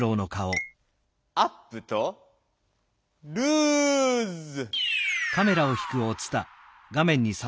アップとルーズ！